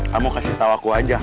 kamu kasih tahu aku aja